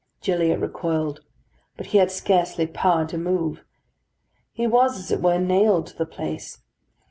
Gilliatt recoiled; but he had scarcely power to move! He was, as it were, nailed to the place.